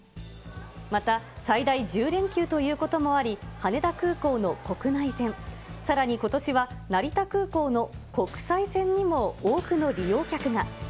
また最大１０連休ということもあり、羽田空港の国内線、さらにことしは、成田空港の国際線にも多くの利用客が。